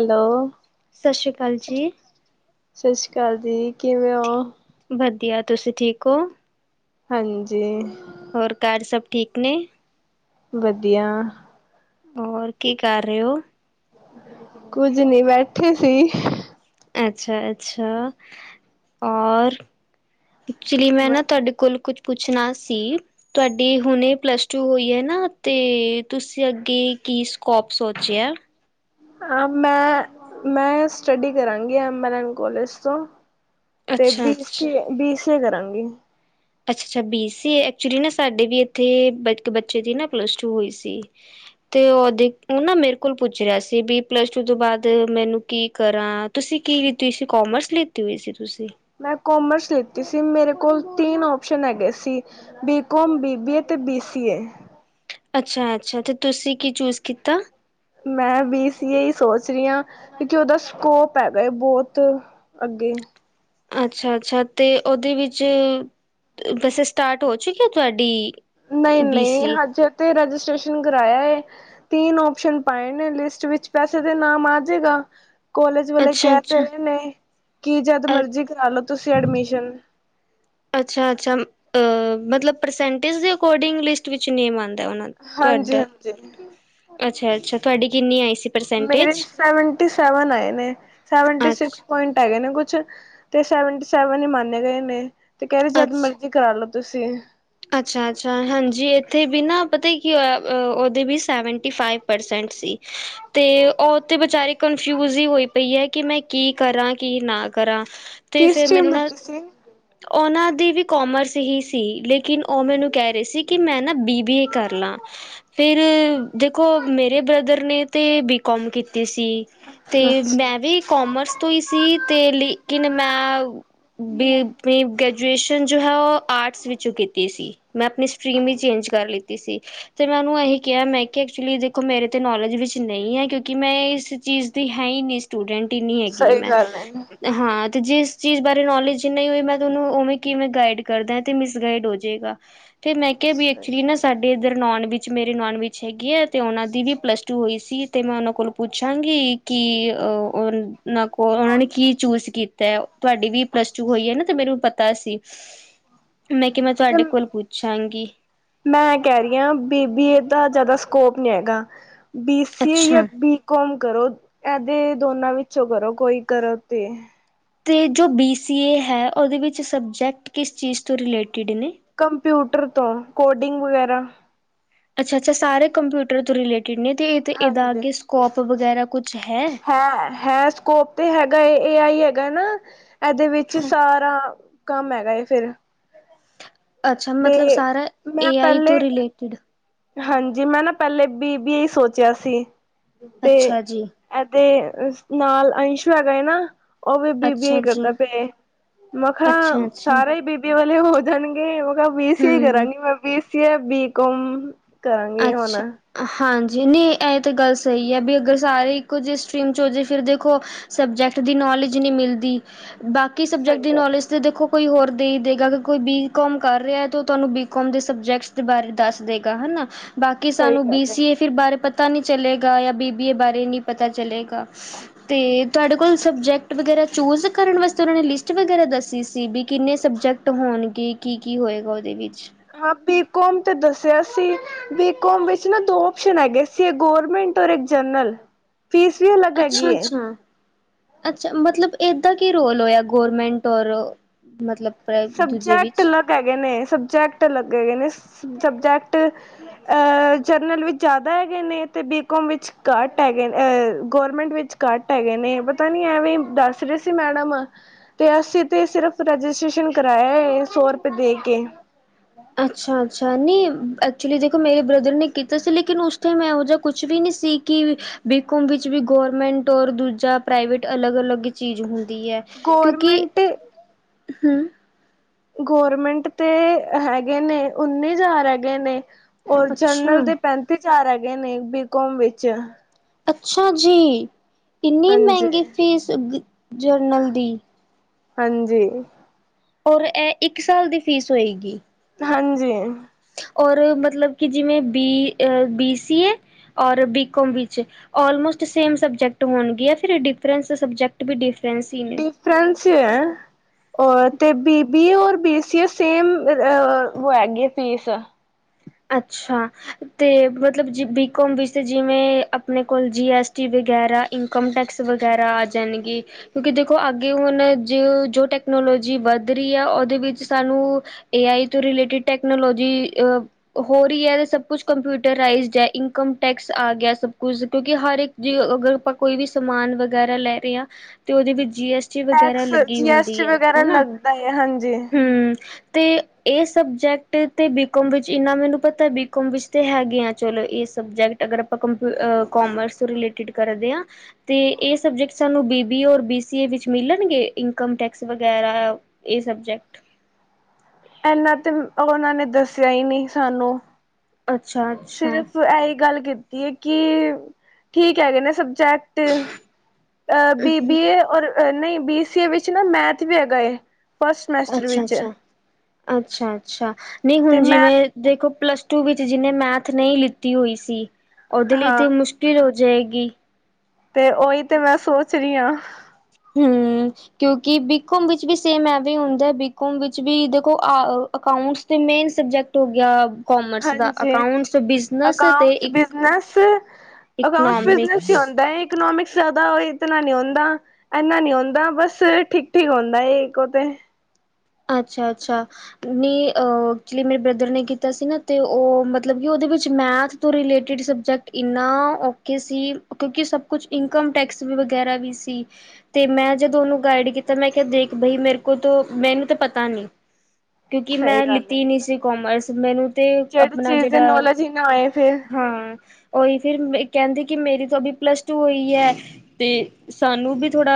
Hello ਸਤਿ ਸ਼੍ਰੀ ਅਕਾਲ ਜੀ ਸਤਿ ਸ਼੍ਰੀ ਅਕਾਲ ਜੀ। ਕਿਵੇਂ ਓ? ਵਧੀਆ ਤੁਸੀਂ ਠੀਕ ਓ। ਹਾਂਜੀ। ਹੋਰ ਘਾਰ ਸਭ ਠੀਕ ਨੇ। ਵਧੀਆ। ਹੋਰ ਕੀ ਕਰ ਰੇ ਓ। ਕੁੱਝ ਨੀ ਬੈਠੇ ਸੀ। ਅੱਛਾ-ਅੱਛਾ ਔਰ। ਇਕਚੁਲੀ ਮੈਂ ਨਾ ਤੁਹਾਡੇ ਕੋਲ ਕੁਛ ਪੁੱਛਣਾ ਸੀ। ਤੁੲਡੀ ਹੁਣੇ ਪਲੱਸ ਟੂ ਹੋਈ ਐ ਨਾ। ਤੇ ਤੁਸੀਂ ਅੱਗੇ ਕੀ ਸਕੋਪ ਸੋਚਿਆ? ਆ ਮੈਂ-ਮੈਂ ਸਟੱਡੀ ਕਰਾਂਗੀ ਐਮ-ਐਲ-ਐਨ ਕੋਲਜ ਤੋਂ। ਤੇ ਅੱਛਾ ਅੱਛਾ ਅੱਛਾ ਬੀਸੀਏ-ਬੀਸੀਏ ਕਰਾਂਗੀ। ਅੱਛਾ-ਅੱਛਾ ਬੀ ਸੀ ਏ। ਐਕਚੁਲੀ ਨਾ ਸਾਡੇ ਵੀ ਏਥੇ ਇਕ ਬੱਚੇ ਦੀ ਨਾ ਪਲੱਸ ਟੂ ਹੋਈ ਸੀ ਤੇ ਓਦੇ ਓ ਨਾ ਮੇਰੇ ਕੋਲ ਪੁੱਛ ਰਿਆ ਸੀ। ਬੀ ਪਲੱਸ ਟੂ ਤੋਂ ਬਾਅਦ ਮੈਨੂੰ ਕੀ ਕਰਾਂ ਤੁਸੀਂ ਕੀ ਲਿੱਤੀ ਸੀ। ਕੋਮਰਸ ਲਿੱਤੀ ਹੋਈ ਸੀ ਤੁਸੀਂ। ਮੈਂ ਕੋਮਰਸ ਲਿੱਤੀ ਸੀ। ਮੇਰੇ ਕੋਲ ਤੀਨ ਓਪਸ਼ਨ ਹੈਗੇ ਸੀ। B com, B B A, ਤੇ ਬੀ ਸੀ ਏ। ਅੱਛਾ ਅੱਛਾ ਤੇ ਤੁਸੀਂ ਕੀ ਚੂਜ਼ ਕੀਤਾ। ਮੈਂ ਬੀ ਸੀ ਏ ਈ ਸੋਚ ਰੀ ਆਂ, ਕਿਉਕਿ ਓਦਾ ਸਕੋਪ ਹੈਗਾ ਏ ਬੋਤ। ਅੱਗੇ ਅੱਛਾ ਅੱਛਾ ਤੇ ਓਦੇ ਵਿੱਚ ਵੈਸੇ ਸਟਾਰਟ ਹੋ ਚੁੱਕੀ ਏ ਤੁਆਡੀ। ਨਈ ਨਈ ਹਜੇ ਤੇ ਰਜਿਸਟ੍ਰੇਸ਼ਨ ਕਰਾਇਆ ਏ। ਤੀਨ ਓਪਸ਼ਨ ਪਾਏ ਨੇ ਲਿਸਟ ਵਿੱਚ ਵੈਸੇ ਤੇ ਨਾਮ ਆ ਜੇਗਾ। ਕੋਲਜ ਵਲੇ ਕੈ ਤੇ ਅੱਛਾ-ਅੱਛਾ ਰ‌ਏ ਨੇ, ਕੀ ਜਦ ਅ ਮਰਜੀ ਕਰਾਲੋ ਤੁਸੀਂ ਐਡਮਿਸ਼ਨ। ਅੱਛਾ ਅੱਛਾ ਅ ਮਤਲਬ ਪਰਸੈਂਟੇਜ ਦੇ ਅਕੋਡਿੰਗ ਲਿਸਟ ਵਿੱਚ ਨੇਮ ਆਂਦ- ਹਾਂਜੀ ਹਾਂਜੀ। ਅੱਛਾ-ਅੱਛਾ ਤੁਹਾਡੀ ਕਿੰਨੀ ਆਈ ਸੀ ਮੇਰੇ ਪਰਸੈਂਟੇਜ ਸੈਵਨਟੀ ਸੈਵਨ ਆਏ ਨੇ। ਸੈਵਨਟੀ ਅੱਛ ਸਿਕਸ- ਪੁਆਇੰਟ ਹੈਗੇ ਨੇ ਕੁਛ। ਤੇ ਸੈਵਨਟੀ ਸੈਵਨ ਹੀ ਮੰਨੇ ਗਏ ਨੇ ਤੇ ਕਹਿ ਰੇ ਜਦ ਮਰਜੀ- ਕਰਾਲੋ ਤੁਸੀਂ। ਅੱਛਾ ਅੱਛਾ ਹਾਂਜੀ ਏਥੇ ਵੀ ਨਾ ਪਤਾ ਕੀ ਹੋਇਆ ਓਦੇ ਵੀ ਸੈਵਨਟੀ ਫਾਈਵ- ਪਰਸੈਂਟ ਸੀ। ਤੇ ਓਹ ਤੇ ਵਚਾਰੀ ਕਨਫਿਊਜ ਈ ਹੋਈ ਪਈ ਐ ਕਿ ਮੈਂ ਕੀ ਕਰਾਂ ਕੀ ਨਾ ਕਰਾਂ। ਤੇ ਕੀ ਫਿਰ ਸਟ੍ਰੀਮ ਮੈਨੂੰ ਨਾ ਲਿੱਤੀ ਸੀ? ਓਨਾਂ ਦੀ ਵੀ ਕੋਮਰਸ ਹੀ ਸੀ। ਲੇਕਿਨ ਓਹ ਮੈਨੂੰ ਕੇ ਰੇ ਸੀ ਕਿ ਮੈਂ ਨਾ ਬੀ ਬੀ ਏ ਕਰ ਲਾਂ। ਫਿਰ ਦੇਖੋ ਮੇਰੇ ਬ੍ਰਦਰ ਨੇ ਤੇ ਬੀ ਕੋਮ ਕੀਤੀ ਸੀ। ਤੇ ਅੱਛਾ ਮੈਂ ਵੀ ਕੋਮਰਸ ਤੋਂ ਹੀ ਸੀ ਤੇ ਲੇਕਿਨ ਮੈਂ ਵੀ ਗ੍ਰੈਜੂਏਸ਼ਨ ਜੋ ਹੈ ਓ ਆਰਟਸ ਵਿੱਚੋਂ ਕੀਤੀ ਸੀ ਮੈਂ ਆਪਨੀ ਸਟਰੀਮ ਵੀ ਚੇਂਜ ਕਰ ਲਿੱਤੀ ਸੀ। ਤੇ ਮੈਂ ਉਹਨੂੰ ਏਹੀ ਕਿਆ ਮੈਂ ਕਿ ਐਕਚੁਲੀ ਦੇਖੋ ਮੇਰੇ ਤੇ ਨੌਲੇਜ ਵਿੱਚ ਨਈ ਐ ਕਿਉਂਕਿ ਮੈਂ ਇਸ ਚੀਜ਼ ਦੀ ਹੈ ਈ ਨਈ। ਸਟੂਡੈਂਟ ਈ ਨੀਂ ਹੈਗੀ ਸਹੀ ਮੈਂ ਗੱਲ ਏ। ਹਾਂ ਤੇ ਜਿਸ ਚੀਜ਼ ਬਾਰੇ ਨੌਲੇਜ ਈ ਨੀ ਹੋਈ ਮੈਂ ਤੁਆਨੂੰ ਉਵੇਂ ਕਿਵੇਂ ਗਾਈਡ ਕਰਦਾ ਐ ਤੇ ਮਿਸਗਾਈਡ ਹੋ ਜ ਗਾ ਤੇ ਮੈਂ ਕਿਆ ਵੀ ਐਕਚੁਲੀ ਨਾ ਸਾਡੇ ਇੱਧਰ ਨੋਨ ਵਿਚ ਮੇਰੇ ਨੋਨ ਵਿਚ ਹੈਗੀ ਐ ਤੇ ਓਨਾਂ ਦੀ ਵੀ ਪਲੱਸ ਟੂ ਹੋਈ ਸੀ ਤੇ ਮੈਂ ਓਨਾਂ ਕੋਲ ਪੁੱਛਾਂਗੀ ਕੀ ਉਹਨਾਂ ਕੋਲ ਓਨਾਂ ਨੇ ਕੀ ਚੂਜ਼ ਕੀਤੈ ਤੁਆਡੀ ਵੀ ਪਲੱਸ ਟੂ ਹੋਈ ਏ ਨਾ ਤੇ ਮੈਨੂੰ ਪਤਾ ਸੀ, ਮੈਂ ਕਿਆ ਮੈਂ ਤੁਆਡੇ ਤੇ ਕੋਲ ਪੁੱਛਾਂਗੀ ਮੈਂ ਏ ਕਹਿ ਰੀ ਆ ਬੀ ਬੀ ਏ ਦਾ ਜ਼ਾਦਾ ਸਕੋਪ ਨੀਂ ਹੈਗਾ, ਬੀ ਸੀ ਏ ਯਾ ਅੱਛਾ। ਬੀ ਕੋਮ ਕਰੋ ਇਹਦੇ ਦੋਨਾਂ ਵਿੱਚੋਂ ਕਰੋ ਕੋਈ ਕਰੋ ਤੇ ਤੇ ਜੋ ਬੀ ਸੀ ਏ ਹੈ ਉਹਦੇ ਵਿੱਚ ਸਬਜੈਕਟ ਕਿਸ ਚੀਜ਼ ਤੋਂ ਰਿਲੇਟਿਡ ਨੇ। ਕੰਪਯੁਟਰ ਤੋਂ ਕੋਡਿੰਗ ਵਗੈਰਾ ਅੱਛਾ, ਅੱਛਾ ਸਾਰੇ ਕੰਪਿਊਟਰ ਤੋਂ ਰਿਲੇਟਿਡ ਨੇ ਤੇ ਐਥੇ ਇਹਦਾ ਹਾਂਜੀ ਅੱਗੇ ਸਕੋਪ ਵਗੈਰਾ ਕੁਛ ਹੈ। ਹੈ ਹੈ ਸਕੋਪ ਤੇ ਹੈਗਾ ਏ, ਏ ਆਈ ਹੈਗਾ ਨਾ ਇਹਦੇ ਵਿੱਚ ਸਾਰਾ ਕੰਮ ਹੈਗਾ ਏ ਫੇਰ ਅੱਛਾ ਮਤਲਬ ਸਾਰਾ ਮੈਂ ਏ ਆਈ ਤੋਂ ਪਹਿਲੇ ਰਿਲੇਟਿਡ ਹਾਂਜੀ ਮੈਂ ਨਾ ਪੈਲੇ ਬੀ ਬੀ ਏ ਈ ਸੋਚਿਆ ਸੀ ਤੇ ਅੱਛਾ ਜੀ। ਐਦੇ ਨਾਲ ਅੰਸ਼ੂ ਹੈਗਾ ਏ ਨਾ ਓਹ ਵੀ ਬੀ ਬੀ ਏ ਅੱਛਾ ਜੀ ਕਰਦਾ ਪਿਆ ਏ ਮੈਖਾਂ ਅੱਛਾ-ਅੱਛਾ ਸਾਰੇ ਈ ਬੀ ਬੀ ਏ ਵਾਲੇ ਹੋ ਜਾਣਗੇ। ਮੈਂ ਬੀ ਸੀ ਏ ਹੂੰ। ਕਰਾਂਗੀ ਮੈਂ B C A, B com ਕਰਾਂਗੀ ਹੁਣ ਅੱਛਾ ਹਾਂਜੀ ਨਈ ਐ ਤਾਂ ਗੱਲ ਸਈ ਐ ਬੀ ਅਗਰ ਸਾਰੇ ਇੱਕੋ ਜੇ ਸਟਰੀਮ 'ਚ ਹੋ ਜੇ ਫਿਰ ਦੇਖੋ ਸਬਜੈਕਟ ਦੀ ਨੌਲੇਜ ਨੀਂ ਮਿਲਦੀ, ਬਾਕੀ ਸਬਜੈਕਟ ਸਹੀ ਦੀ ਗੱਲ ਨੌਲੇਜ ਏ ਤੇ ਦੇਖੋ ਕੋਈ ਹੋਰ ਦੇ ਈ ਦੇਗਾ। ਕੋਈ ਬੀਕੋਮ ਕਰ ਰਿਐ ਤੋ ਤੁਆਨੂੰ ਬੀਕੌਮ ਦੇ ਸਬਜੈਕਟਸ ਦੇ ਬਾਰੇ ਦੱਸ ਦੇਗਾ, ਹਨਾ। ਬਾਕੀ ਸਹੀ ਸਾਨੂੰ ਬੀ ਗੱਲ ਸੀ ਏ ਫਿਰ ਬਾਰੇ ਪਤਾ ਨੀਂ ਚਲੇਗਾ ਯਾ ਬੀ ਬੀ ਏ ਬਾਰੇ ਨੀਂ ਪਤਾ ਚਲੇਗਾ। ਆ ਤੇ ਤੁਆਡੇ ਕੋਲ ਸਬਜੈਕਟ ਵਗੈਰਾ ਚੂਜ਼ ਕਰਨ ਵਾਸਤੇ ਓਨਾਂ ਨੇ ਲਿਸਟ ਵਗੈਰਾ ਦੱਸੀ ਸੀ ਵੀ ਕਿੰਨੇ ਸਬਜੈਕਟ ਹੋਨਗੇ। ਕੀ-ਕੀ ਹੋਏਗਾ ਓਦੇ ਵਿੱਚ। ਹਾਂ ਬੀ ਕੌਮ ਤੇ ਦੱਸਿਆ ਸੀ। ਬੀਕੌਮ ਵਿੱਚ ਨਾ ਦੋ ਓਸ਼ਨ ਹੈਗੇ ਸੀ ਏਕ ਗੋਰਮੈਂਟ ਔਰ ਇੱਕ ਜਨਰਲ। ਫੀਸ ਵੀ ਉਨ ਅੱਛਾ-ਅੱਛਾ। ਅੱਛਾ, ਮਤਲਬ ਏਦਾ ਕੀ ਰੋਲ ਹੋਇਆ ਗੋਰਮੈਂਟ ਔਰ ਮਤਲਬ। ਦੂਜੇ ਸਬਜੈਕਟ ਵਿੱਚ ਅਲੱਗ ਹੈਗੇ ਨੇ, ਸਬਜੈਕਟ ਅਲੱਗ ਹੈਗੇ ਨੇ, ਸਬਜੈਕਟ। ਅ-ਜਰਨਲ ਵਿੱਚ ਜ਼ਾਦਾ ਹੈਗੇ ਨੇ ਤੇ ਬੀਕੋਮ ਵਿੱਚ ਘੱਟ ਹੈਗੇ ਨੇ, ਗੋਰਮੈਂਟ ਵਿੱਚ ਘੱਟ ਹੈਗੇ ਨੇ। ਪਤਾ ਨੀ ਐਵੇਂ ਦੱਸ ਰੇ ਸੀ ਮੈਡਮ। ਤੇ ਅਸੀਂ ਤੇ ਸਿਰਫ ਰਜਿਸਟ੍ਰੇਸ਼ਨ ਕਰਾਯਾ ਏ ਸੌ ਰਪਏ ਦੇ ਕੇ। ਅੱਛਾ-ਅੱਛਾ! ਨੀਂ ਐਕਚੁਲੀ ਦੇਖੋ ਮੇਰੇ ਬ੍ਰਦਰ ਨੇ ਕੀਤਾ ਸੀ ਲੇਕਿਨ ਉਸ ਟਾਈਮ ਇਹੋ ਜਾ ਕੁਛ ਵੀ ਨੀ ਸੀ। ਕਿ ਬੀਕੋਮ ਵਿੱਚ ਵੀ ਗੌਰਮੈਂਟ ਔਰ ਦੂਜਾ ਪ੍ਰਾਈਵੇਟ ਅਲੱਗ ਅਲੱਗ ਚੀਜ਼ ਹੁੰਦੀ ਐ। ਗੌਰਮੈਂਟ ਹੂੰ ਗਰਮੈਂਟ ਤੇ ਹੈਗੇ ਨੇ, ਉੱਨੀ ਹਜ਼ਾਰ ਹੈਗੇ ਨੇ। ਹੋਰ ਜਨਰਲ ਅੱਛਾ ਦੇ ਪੈਂਤੀ ਹਜਾਰ ਹੈਗੇ ਨੇ ਬੀਕੋਮ ਵਿੱਚ। ਅੱਛਾ ਜੀ! ਇਨੀ ਹਾਂਜੀ ਮੈਂਗੀ ਫੀਸ ਜ-ਜਰਨਲ ਦੀ। ਹਾਂਜੀ। ਔਰ ਐ ਇੱਕ ਸਾਲ ਦੀ ਫੀਸ ਹੋਏਗੀ? ਹਾਂਜੀ। ਔਰ ਮਤਲਬ ਕਿ ਜਿਵੇਂ ਬੀ ਅ-ਬੀ ਸੀ ਏ ਔਰ ਬੀਕੋਮ ਵਿੱਚ ਆਲਮੋਸਟ ਸੇਮ ਸਬਜੈਕਟ ਹੋਣਗੇ ਯਾ ਫਿਰ ਡਿਫਰੈਂਸ ਸਬਜੈਕਟ ਵੀ ਡਿਫਰੈਂਸ ਹੀ ਨੇ? ਡਿਫਰੈਂਸ ਈ ਐ। ਔਰ ਤੇ ਬੀ ਬੀ ਏ ਔਰ ਬੀ ਸੀ ਏ ਸੇਮ ਅ-ਓ ਹੈਗੀ ਫੀਸ। ਅੱਛਾ! ਤੇ ਮਤਲਬ ਜ ਬੀਕੋਮ ਵਿੱਚ ਤੇ ਜਿਵੇਂ ਆਪਣੇ ਕੋਲ ਜੀ ਐਸ ਟੀ ਵਗੈਰਾ ਇਨਕਮ ਟੈਕਸ ਵਗੈਰਾ ਜਾਨੀ ਕਿ ਕਿਉਂਕਿ ਦੇਖੋ ਅੱਗੇ ਹੁਣ ਜ-ਜੋ ਟੈਕਨੋਲੋਜੀ ਵੱਧ ਰੀ ਐ, ਓਦੇ ਵਿੱਚ ਸਾਨੂੰ ਏ ਆਈ ਤੋਂ ਰਿਲੇਟਿਡ ਟੈਕਨੋਲੋਜੀ ਅ ਹੋ ਰੀ ਐ ਤੇ ਸਭ ਕੁਛ ਕੰਪਿਊਟਰਈਜ਼ਡ ਐ, ਇਨਕਮ ਟੈਕਸ ਆ ਗਿਆ ਸਭ ਕੁਝ ਕਿਉਂਕਿ ਹਰ ਇੱਕ ਜੀ ਅਗਰ ਆਪਾਂ ਕੋਈ ਵੀ ਸਮਾਨ ਵਗੈਰਾ ਲੈ ਰੇ ਆਂ ਤੇ ਓਦੇ ਵਿੱਚ ਜੀ ਐਸ ਟ ਟੀ ਵਗੈਰਾ ਟੈਕਸ ਲੱਗੀ ਜੀ ਐਸ ਟੀ ਹੁੰਦੀ ਹੈ ਵਗੈਰਾ ਹਨਾ, ਲੱਗਦਾ ਹੈ ਹਾਂਜੀ ਹੂੰ ਤੇ ਏ ਸਬਜੈਕਟ ਤੇ ਬੀਕੋਮ ਵਿੱਚ ਜ ਇੰਨਾ ਮੈਨੂੰ ਪਤਾ ਬੀਕੌਮ ਵਿੱਚ ਤੇ ਹੈਗਿਆਂ ਚਲੋ ਏ ਸਬਜੈਕਟ ਅਗਰ ਆਪਾਂ ਕੰਪਿਊ-ਅ-ਕੋਮਰਸ ਰਿਲੇਟ ਟਿੱਡ ਕਰਦੇ ਆਂ। ਤੇ ਏ ਸਬਜੈਕਟ ਸਾਨੂੰ ਬੀ ਬੀ ਏ ਔਰ ਬੀ ਸੀ ਏ ਵਿੱਚ ਮਿਲਣਗੇ ਇਨਕਮ ਟੈਕਸ ਵਗੈਰਾ? ਏ ਸਬਜੈਕਟ। ਐਨਾ ਤੇ ਓਨਾਂ ਨੇ ਦੱਸਿਆ ਈ ਨੀਂ ਸਾਨੂੰ। ਅੱਛਾ ਅੱਛਾ ਸਿਰਫ ਇਹੀ ਗੱਲ ਕੀਤੀ ਹੈ, ਕਿ ਠੀਕ ਹੈਗੇ ਨੇ ਸਬਜੈਕਟ। ਤੇ ਅ ਬੀਬੀਏ ਔਰ ਨਹੀਂ ਬੀਸੀਏ ਵਿੱਚ ਨਾ ਮੈਥ ਵੀ ਹੈਗਾ ਐ। ਅੱਛਾ-ਅੱਛਾ-ਅੱਛਾ-ਅੱਛਾ ਨਹੀਂ ਤੇ ਹੁਣ ਮੈਂ ਜਿਵੇਂ ਦੇਖੋ ਪਲੱਸ ਟੂ ਵਿੱਚ ਜਿਹਨੇ ਮੈਥ ਨਹੀਂ ਲਿੱਤੀ ਹੋਈ ਸੀ, ਉਹਦੇ ਲਈ ਹਾਂ ਤੇ ਮੁਸ਼ਕ ਕਿੱਲ ਹੋ ਜਾਏਗੀ। ਤੇ ਓਹੀ ਤੇ ਮੈਂ ਸੋਚ ਰਹੀ ਹਾਂ। ਹਮ। ਕਿਉਂਕਿ ਬੀਕੋਮ ਵਿੱਚ ਵੀ ਸੇਮ ਐਵੇ ਹੁੰਦਾਂ ਏ। ਬੀਕੋਮ ਵਿੱਚ ਵੀ ਦੇਖੋ ਅਕਾਊਂਟਸ ਮੇਨ ਸਬਜੈਕਟ ਹੋ ਗਿਆ ਕੋਮਰਸ ਦਾ ਹਾਂਜੀ ਅਕਾਊਂਟਸ ਬਿਜ਼ਨਸ ਤੇ ਅਕਾਂਟਸ ਇਕ ਬਿਜਨਸ ਅਕਾਊਂਟ ਬਿਜਨਸ ਹੀ ਇਕਨੋਮਿਕਸ ਹੁੰਦਾ ਹੈ, ਇਕਨੋਮਿਕਸ ਜਾਂਦਾ ਇਤਨਾ ਨੀ ਹੁੰਦਾਂ। ਇੰਨਾ ਨੀ ਹੁੰਦਾ ਬਸ ਠੀਕ-ਠੀਕ ਹੁੰਦਾ ਏ ਇਕੋ ਤੇ। ਅੱਛਾ-ਅੱਛਾ। ਨਈ ਅਹ ਐਕਚੁਲੀ ਮੇਰੇ ਬ੍ਰਦਰ ਨੇ ਕੀਤਾ ਸੀ ਨਾ। ਤੇ ਉਹ ਮਤਲਬ ਕਿ ਉਹਦੇ ਵਿੱਚ ਮੈਥ ਤੋਂ ਰਿਲੇਟਿਡ ਸਬਜੈਕਟ ਇੰਨਾ ਔਖੇ ਸੀ, ਕਿਉਂਕਿ ਸਭ ਕੁਛ ਇਨਕਮ ਟੈਕਸ ਵੀ ਵਗੈਰਾ ਵੀ ਸੀ। ਤੇ ਮੈਂ ਜਦੋਂ ਉਹਨੂੰ ਗਾਈਡ ਕੀਤਾ, ਮੈਂ ਕਿਹਾ ਦੇਖ ਬਾਈ ਮੇਰੇ ਕੋਲ ਤਾਂ ਮੈਨੂੰ ਤਾਂ ਪਤਾ ਨੀ। ਕਿਉਂਕਿ ਮੈਂ ਸਹੀ ਗੱਲ ਹੈ ਲਿੱਤੀ ਨਹੀਂ ਸੀ ਕੋਮਰਸ, ਮੈਨੂੰ ਤੇ ਜਿਹੜੀ ਆਪਣਾ ਚੀਜ਼ ਦੀ ਜਿਹੜਾ ਨੌਲੇਜ ਹੀ ਨਾ ਹੋਏ ਫਿਰ ਹਾਂ ਉਹੀ ਫਿਰ ਕਹਿੰਦੀ ਕਿ ਮੇਰੀ ਤੋਂ ਵੀ ਪਲੱਸ ਟੂ ਹੋਈ ਹੈ। ਤੇ ਸਾਨੂੰ ਵੀ ਥੋੜਾ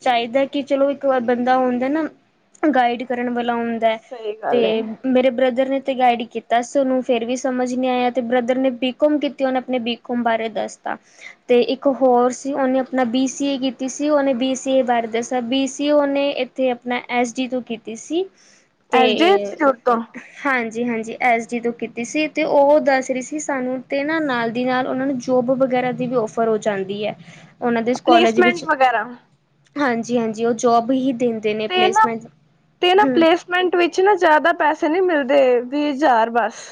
ਚਾਹੀਦਾ ਕਿ ਚਲੋ ਇੱਕ ਵਾਰ ਬੰਦਾ ਹੁੰਦਾ ਨਾ ਗਾਈਡ ਕਰਨ ਵਾਲਾ ਹੁੰਦਾ ਏ ਸਹੀ ਤੇ ਗੱਲ ਹੈ ਮੇਰੇ ਬ੍ਰਦਰ ਨੇ ਤਾਂ ਗਾਈਡ ਕੀਤਾ ਸੀ ਉਹਨੂੰ, ਫਿਰ ਵੀ ਸਮਝ ਨਹੀਂ ਆਇਆ। ਤੇ ਬ੍ਰਦਰ ਨੇ ਬੀਕੋਮ ਕੀਤੀ ਉਹਨੇ ਆਪਣੇ ਬੀ ਕੋਮ ਬਾਰੇ ਦੱਸਦਾ। ਤੇ ਇੱਕ ਹੋਰ ਸੀ ਉਹਨੇ ਆਪਣਾ ਬੀ ਸੀ ਏ ਕੀਤੀ ਸੀ, ਉਹਨੇ ਬੀ ਸੀ ਏ ਬਾਰੇ ਦੱਸਿਆ ਬੀ ਸੀ ਏ ਓਨੇ ਆਪਣਾ ਐਸ ਡੀ ਤੋਂ ਕੀਤੀ ਸੀ। ਤੇ ਐਸ ਡੀ ਇੰਸਟੀਚਿਊਟ ਤੋਂ ਹਾਂਜੀ-ਹਾਂਜੀ ਐਸ ਡੀ ਤੋਂ ਕੀਤੀ ਸੀ। ਤੇ ਉਹ ਦੱਸ ਰਹੀ ਸੀ ਸਾਨੂੰ ਤੇ ਨਾ ਨਾਲ ਦੀ ਨਾਲ ਉਹਨਾਂ ਨੂੰ ਜੋਬ ਵਗੈਰਾ ਦੀ ਵੀ ਔਫਰ ਹੋ ਜਾਂਦੀ ਹੈ, ਉਹਨਾਂ ਦੇ ਇਸ ਕੋਲੇਜ ਵਿੱਚ ਪਲੇਸਮੈਂਟ ਵਗੈਰਾ ਹਾਂਜੀ-ਹਾਂਜੀ ਉਹ ਜੌਬ ਹੀ ਦਿੰਦੇ ਨੇ। ਤੇ ਨਾ, ਪਲੇਸਮੈਂਟ ਤੇ ਨਾ ਹੂੰ ਪਲੇਸ ਮਿੰਟ ਵਿੱਚ ਨਾ ਜਿਆਦਾ ਪੈਸੇ ਨੀ ਮਿਲਦੇ, ਵੀਹ ਹਜ਼ਾਰ ਬਸ।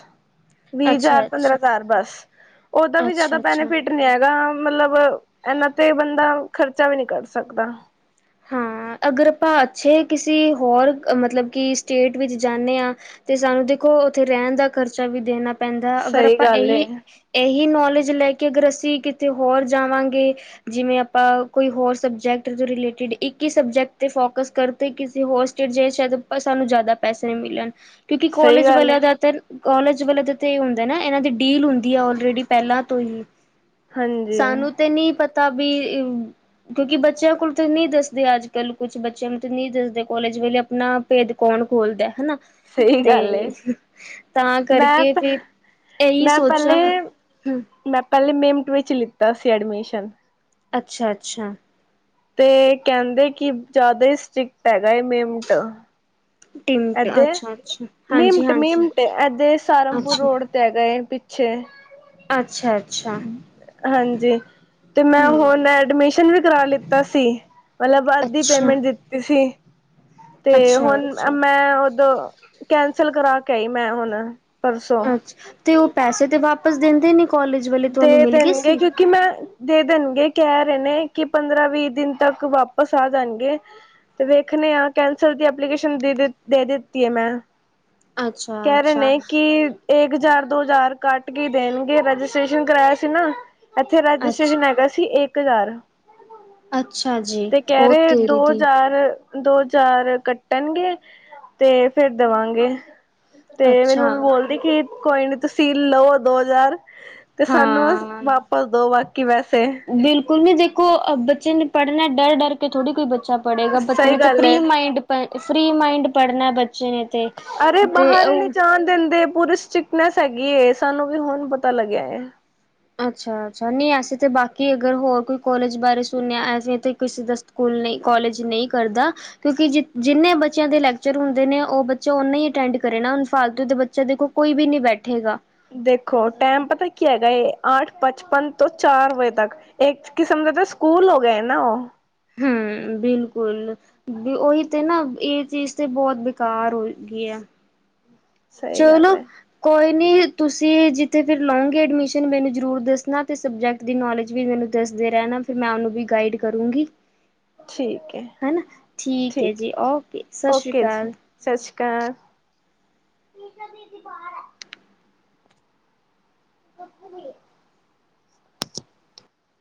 ਵੀਹ ਹਜ਼ਾਰ, ਪੰਦਰਾਂ ਅੱਛਾ-ਅੱਛਾ, ਹਜ਼ਾਰ ਬਸ ਉਹਦਾ ਵੀ ਜਿਆਦਾ ਅੱਛਾ-ਅੱਛਾ ਬੈਨੀਫਿਟ ਹੈਗਾ ਮਤਲਬ ਇਹਨਾਂ ਤੇ ਬੰਦਾਂ ਖਰਚਾ ਵੀ ਨਹੀਂ ਕੱਢ ਸਕਦਾ। ਹਾਂ ਅਗਰ ਆਪਾਂ ਅੱਛੇ ਕਿਸੇ ਹੋਰ ਮਤਲਬ ਕਿ ਸਟੇਟ ਵਿੱਚ ਜਾਂਦੇ ਹਾਂ ਤੇ ਸਾਨੂੰ ਦੇਖੋ ਉੱਥੇ ਰਹਿਣ ਦਾ ਖ਼ਰਚਾ ਵੀ ਦੇਣਾ ਪੈਂਦਾ ਅਗਰ ਸਹੀ ਆਪਾਂ ਗੱਲ ਏ, ਇਹੀ ਇਹੀ ਨੌਲੇਜ ਲੈ ਕੇ ਅਗਰ ਅਸੀਂ ਕਿਤੇ ਹੋਰ ਜਾਵਾਂਗੇ ਜਿਵੇਂ ਆਪਾਂ ਕੋਈ ਹੋਰ ਸਬਜੈਕਟ ਤੋਂ ਰਿਲੇਟਿਡ ਇੱਕ ਹੀ ਸਬਜੈਕਟ ਤੇ ਫੋਕਸ ਕਰਦੇ, ਕਿਸੇ ਹੋਰ ਸਟੇਟ ਸਾਨੂੰ ਜ਼ਿਆਦਾ ਪੈਸੇ ਨਹੀਂ ਮਿਲਣ। ਕਿਉਂਕਿ ਸਹੀ ਕੋਲੇਜ ਗੱਲ ਏ, ਵਾਲਿਆਂ ਜ਼ਿਆਦਾਤਰ ਕਾਲਜ ਵੱਲੋਂ ਤੇ ਇਹ ਹੁੰਦਾ ਨਾ, ਇਹਨਾਂ ਦੀ ਡੀਲ ਹੁੰਦੀ ਆਲਰੇਡੀ ਪਹਿਲਾਂ ਤੋਂ ਹੀ। ਹਾਂਜੀ। ਸਾਨੂੰ ਤੇ ਨਹੀਂ ਪਤਾ ਵੀ ਕਿਉਂਕਿ ਬੱਚਿਆਂ ਕੋਲ ਤਾਂ ਨਹੀਂ ਦੱਸ ਬਈ ਅੱਜ ਕੱਲ ਕੁਛ ਬੱਚਿਆਂ ਨੂੰ ਤਾਂ ਨਹੀਂ ਦੱਸਦੇ, ਕੋਲਜ ਵੇਲੇ ਆਪਣਾ ਭੇਦ ਕੌਣ ਖੋਲਦਾ ਹਨਾ। ਸਹੀ ਗੱਲ ਏ, ਤੇ ਤਾਂ ਮੈਂ ਕਰਕੇ ਫਿਰ ਇਹੀ ਮੈਂ ਸੋਚਿਆ ਹੈ, ਪਹਿਲੇ ਹਮ। ਮੈਂ ਪਹਿਲੇ ਮੇਮਟ ਵਿੱਚ ਲਿੱਤਾ ਸੀ ਐਡਮਿਸ਼ਨ। ਅੱਛਾ-ਅੱਛਾ। ਤੇ ਕਹਿੰਦੇ ਕਿ ਜਿਆਦਾ ਹੀ ਸਟ੍ਰਿਕਟ ਹੈਗਾਏ ਮੇਮਟ। ਟਿਮਟ ਐਦਰ ਅੱਛਾ ਅੱਛਾ ਹਾਂਜੀ ਮਿਮੰਟ ਹਾਂਜੀ ਮਿਮੰਟ ਐ ਐਦਰ ਸਾਰਨਪੁਰ ਅੱਛਾ ਰੋਡ ਹੈਗਾ ਏ ਪਿੱਛੇ। ਅੱਛਾ-ਅੱਛਾ। ਹਾਂਜੀ। ਤੇ ਮੈਂ ਹਮ ਹੋਨ ਐਡਮਿਸ਼ਨ ਵੀ ਕਰਾ ਲਿੱਤਾ ਸੀ, ਮਲਬ ਅੱਦੀ ਅੱਛਾ ਪੇਮੇਂਟ ਦਿ ਤੀ ਸੀ, ਤੇ ਅੱਛਾ ਹੋਨ ਅੱਛਾ ਮੈਂ ਓਦੋਂ ਕੈਂਸਲ ਕਰਾ ਕੇ ਆਈ ਮੈਂ ਹੋਨ ਪਰਸੋਂ। ਅੱਛਾ ਤੇ ਓ ਪੈਸੇ ਤੇ ਵਾਪਸ ਦੇਂਦੇ ਨੀ ਕੋਲੇਜ ਦੇ ਦੇਨਗੇ ਕਿਊ ਕਿ ਮੈਂ, ਦੇ ਦੇਨਗੇ ਕੈ ਰਏ ਨੇ ਕਿ ਪੰਦਰਾਂ-ਵੀਹ ਦਿਨ ਤੱਕ ਵਾਪਸ ਆ ਜਾਨਗੇ ਤੇ ਵੇਖਨੇ ਆ ਕੈਂਸਲ ਦੀ ਐਪਲੀਕੇਸ਼ਨ ਦੇ ਦਿ, ਦੇ ਦਿੱਤੀ ਐ ਮੈਂ। ਅੱਛਾ ਕੈ ਰੇ ਅੱਛਾ ਨੇ ਕਿ ਏਕ ਹਜਾਰ, ਦੋ ਹਜਾਰ ਕਾੱਟ ਕੇ ਈ ਦੇਨਗੇ ਰਜਿਸਟ੍ਰੇਸ਼ਨ ਕਰਾਯਾ ਸੀ ਨਾ। ਅੱਛਾ ਅੱਛਾ ਰਜਿਸਟ੍ਰੇਸ਼ਨ ਹੈਗਾ ਸੀ ਏਕ ਹਜਾਰ। ਅੱਛਾ ਜੀ, ਤੇ ਕੈ ਉਹ ਰਏ ਤੇਰੀ ਦੋ ਦੀ ਹਜਾਰ ਦੋ ਹਜਾਰ ਕੱਟਨਗੇ ਤੇ ਫੇਰ ਦਵਾਂਗੇ। ਤੇ ਮੇਰੀ ਅੱਛਾ ਮੰਮੀ ਬੋਲਦੀ ਕਿ, ਕੋਈ ਨੀ ਤੁਸੀਂ ਲੋ ਦੋ ਹਜਾਰ ਤੇ ਸਾਨੂੰ ਬਸ ਹਾਂ। ਵਾਪਸ ਦੋ ਬਾਕੀ ਪੈਸੇ। ਕੁਈ ਨੀ ਦੇਖੋ ਅ ਬੱਚੇ ਨੇ ਪੜਨੈ ਡਰ-ਡਰ ਕੇ ਥੜੀ ਕੋਈ ਬੱਚਾ ਪੜੇਗਾ ਬੱਚੇ ਸਹੀ ਨੇ ਤੇ ਗੱਲ ਏ। ਫ੍ਰੀ ਮਾਈਂਡ ਪ ਫ੍ਰੀ ਮਾਇੰਡ ਪੜਨੈ ਬੱਚੇ ਨੇ ਤੇ। ਅਰੇ ਤੇ ਬਾਹਰ ਏ ਨੀ ਉਹ ਜਾਨ ਦੇਂਦੇ ਪੂਰੀ ਸ੍ਰਿਟਕਨੇਸ ਹੈਗੀ ਏ ਸਾਨੂੰ ਵੀ ਹੋਨ ਪਤਾ ਲੱਗੇਆ ਐ। ਅੱਛਾ-ਅੱਛਾ, ਨਈ ਐਸੇ ਤਾਂ ਬਾਕੀ ਅਗਰ ਹੋਰ ਕੋਈ ਕੋਲੇਜ ਬਾਰੇ ਸੁਨੇਆ ਐਸੇ ਤੇ ਕਿਸੇ ਦਾ ਸੁਕੂਲ ਨਈ ਕੋਲੇਜ ਨਈ ਕਰਦਾ ਕਿਉਂਕਿ ਜਿ ਜਿੰਨੇ ਬੱਚੇਆਂ ਦੇ ਲੈਕਚਰ ਹੁੰਦੇ ਨੇ ਓ ਬੱਚਾ ਓਨਾ ਈ ਅਟੈਂਡ ਕਰੇ ਨਾ ਹੁਨ ਫਾਲਤੂ ਦੇ ਬੱਚਾ ਦੇਖੋ ਕੋਈ ਬੀ ਨੀ ਬੈਠੇਗਾ। ਦੇਖੋ ਟੈਮ ਪਤਾ ਕੀ ਹੈਗਾ ਐ, ਆਠ ਪੱਚਪਨ ਤੋਂ ਚਾਰ ਵਜੇ ਤੱਕ। ਏਕ ਕਿਸਮ ਦਾ ਤਾਂ ਸੁਕੂਲ ਹੋ ਗੇਆ ਏ ਨਾ ਓ। ਹੂੰ, ਬਿਲਕੁਲ। ਵ ਓਹੀ ਤੇ ਨਾ ਏ ਚੀਜ਼ ਤੇ ਬੋਤ ਬੇਕਾਰ ਹੋ ਈ ਗੀ ਏ। ਸਹੀ ਗੱਲ ਚਲੋ ਹੈ ਕੋਈ ਨਈ ਤੁਸੀਂ ਜਿੱਥੇ ਫਿਰ ਲਓਗੇ ਐਡਮਿਸ਼ਨ ਮੈਨੂੰ ਜਰੂਰ ਦੱਸਨਾ ਤੇ ਸਬਜੈਕਟ ਦੀ ਨੌਲੇਜ ਵੀ ਮੈਨੂੰ ਦੱਸਦੇ ਰੈਨਾ ਫਿਰ ਮੈਂ ਓਨੂੰ ਵੀ ਗਾਈਡ ਕਰੂੰਗੀ। ਠੀਕ ਹੈ ਹਨਾ, ਠੀਕ ਹ਼ਏ ਜੀ ਓਕੇ ਸਸ੍ਰੀ ਕਾਲ। ਸਸ੍ਰੀ ਕਾਲ। [unintelligible] ਦੀਦੀ ਬਾਰ ਐ [unintelligible]